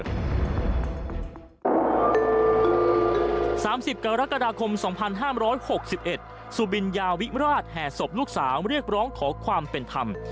๓๐กรกฎาคม๒๕๖๑สุบินยาวิราชแห่ศพลูกสาวเรียกร้องขอความเป็นธรรม